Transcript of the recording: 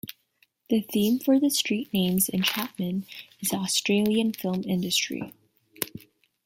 The theme for the street names in Chapman is the Australian film industry.